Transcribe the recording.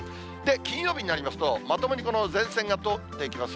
金曜日になりますと、まともに前線が通っていきます。